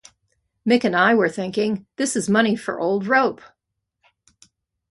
Mick and I were thinking, this is money for old rope!